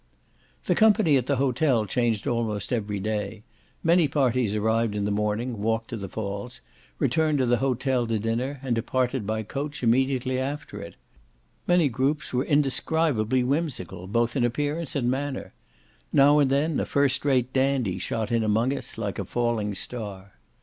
The company at the hotel changed almost every day. Many parties arrived in the morning, walked to the falls; returned to the hotel to dinner, and departed by the coach immediately after it. Many groups were indescribably whimsical, both in appearance and manner. Now and then a first rate dandy shot in among us, like a falling star.